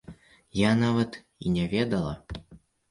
Я нават і не ведала!